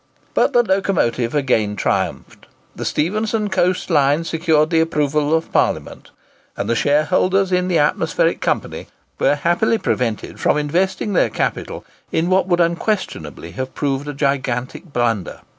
But the locomotive again triumphed. The Stephenson Coast Line secured the approval of Parliament; and the shareholders in the Atmospheric Company were happily prevented investing their capital in what would unquestionably have proved a gigantic blunder.